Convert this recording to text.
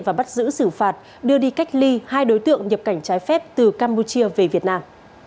và bắt giữ xử phạt đưa đi cách ly hai đối tượng nhập cảnh trái phép từ campuchia về việt nam